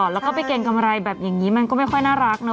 แล้วก็ไปเกรงกำไรแบบอย่างนี้มันก็ไม่ค่อยน่ารักเนาะ